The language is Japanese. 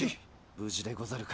無事でござるか？